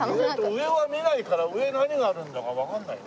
上は見ないから上何があるんだかわからないな。